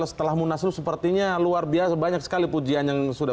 setelah munaslup sepertinya luar biasa banyak sekali pujian yang sudah